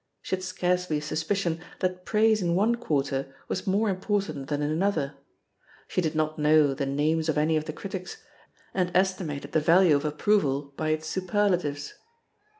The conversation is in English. She had scarcely a suspicion that praise in one quarter was more important than in another ; she did not know the names of any of the critics, and estimated the value of approval by its superlatives.